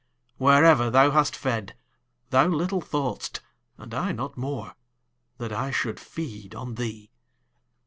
Wherever thou hast fed, thou little thought'st, And I not more, that I should feed on thee.